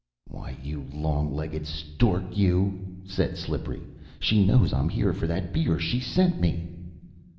"Why, you long legged stork you!" said Slippery, "she knows I'm here for that beer. She sent me."